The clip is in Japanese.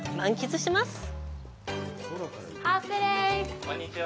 こんにちは。